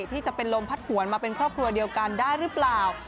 ที่จะเป็นลมพัดหวนมาเป็นครอบครัวเดียวกันได้หรือเปล่า